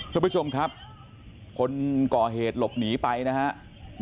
ทุกผู้ชมครับคนก่อเหตุหลบหนีไปนะครับ